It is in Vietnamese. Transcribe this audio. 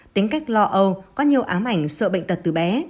tính cách lo âu có nhiều ám ảnh sợ bệnh tật từ bé